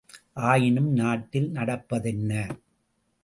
ஆயினும் நாட்டில் நடப்பதென்ன?